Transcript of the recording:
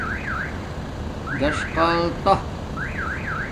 دݽقاتہ